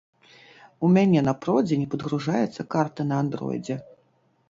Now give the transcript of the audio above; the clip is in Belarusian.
У мяне на продзе не падгружаецца карта на андроідзе.